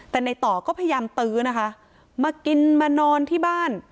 แต่ในต่อก็พยายามตื้อนะคะมากินมานอนที่บ้าน